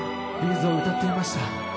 ’ｚを歌っていました。